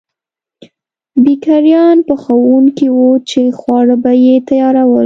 بېکریان پخوونکي وو چې خواړه به یې تیارول.